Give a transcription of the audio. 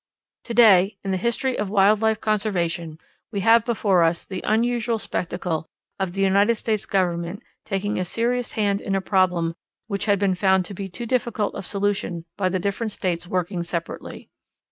To day, in the history of wild life conservation, we have before us the unusual spectacle of the United States Government taking a serious hand in a problem which had been found to be too difficult of solution by the different states working separately.